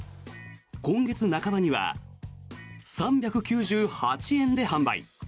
今月半ばには３９８円で販売。